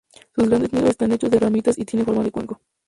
Sus grandes nidos están hechos de ramitas y tiene forma de cuenco.